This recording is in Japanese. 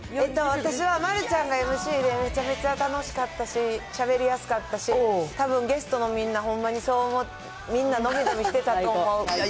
私は丸ちゃんがＭＣでめちゃめちゃ楽しかったし、しゃべりやすかったし、たぶんゲストのみんな、ほんまにそう思って、みんな伸び伸びしてたと思う。